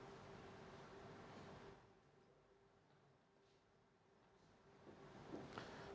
pensionan jenderal bintang empat ratus sepuluh